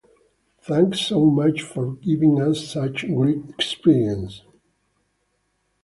Thanks so much for giving us such great experiences.